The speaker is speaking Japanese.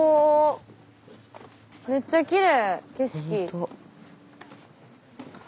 めっちゃきれい景色。